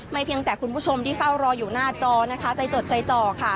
เพียงแต่คุณผู้ชมที่เฝ้ารออยู่หน้าจอนะคะใจจดใจจ่อค่ะ